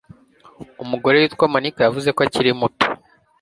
umugore witwa monica yavuze ko akiri muto